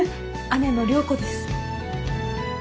姉の良子です。